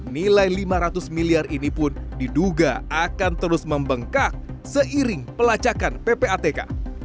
nilai lima ratus miliar ini pun diduga akan terus membengkak seiring pelacakan ppatk